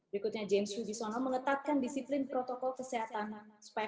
berikutnya james hugisono mengetatkan disiplin protokol kesehatan supaya kasus tidak tambah dan narkis juga aman